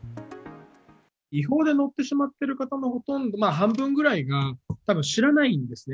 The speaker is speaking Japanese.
違法で乗ってしまってる方のほとんど、半分ぐらいが、たぶん知らないんですね。